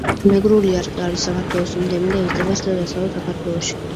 მეგრული არყი არის საქართველოს ენდემი და იზრდება ჩრდილო-დასავლეთ საქართველოში.